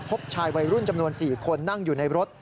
พบชายวัยรุ่นจำนวน๔คนนั่งอยู่ในรถ